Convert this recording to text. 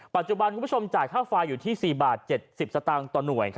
คุณผู้ชมจ่ายค่าไฟอยู่ที่๔บาท๗๐สตางค์ต่อหน่วย